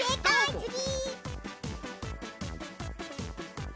つぎ！